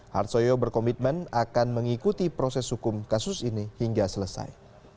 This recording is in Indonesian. harsoyo berkomitmen akan mengikuti proses hukum kasus ini hingga selesai